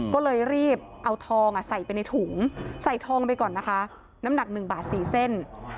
ก็เลยรีบเอาทองใส่ไปในถุงใส่ทองไปก่อนนะคะน้ำหนัก๑บาท๔เส้น